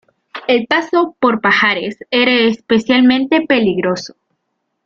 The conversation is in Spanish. El paso por Pajares era especialmente peligroso.